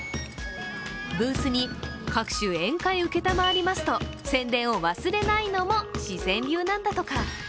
ブースに各種宴会承りますと宣伝も忘れないのが四川流なんだとか。